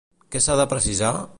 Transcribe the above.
Què s'ha de precisar?